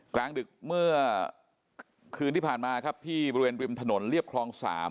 กลางดึกเมื่อคืนที่ผ่านมาครับที่บริเวณริมถนนเรียบคลอง๓